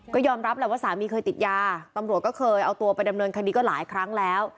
ก็ยอมรับแหละว่าสามีเคยติดยาตำรวจก็เคยเอาตัวไปดำเนินคดีก็หลายครั้งแล้ว